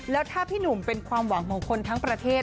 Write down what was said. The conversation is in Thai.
แล้วถ้าพี่หนุ่มเป็นความหวังของคนทั้งประเทศ